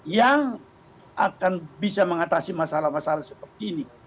yang akan bisa mengatasi masalah masalah seperti ini